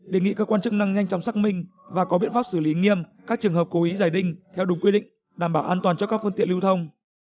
đề nghị cơ quan chức năng nhanh chóng xác minh và có biện pháp xử lý nghiêm các trường hợp cố ý giải đinh theo đúng quy định đảm bảo an toàn cho các phương tiện lưu thông